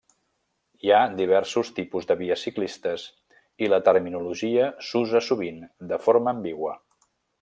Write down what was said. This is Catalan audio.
Hi ha diversos tipus de vies ciclistes i la terminologia s'usa sovint de forma ambigua.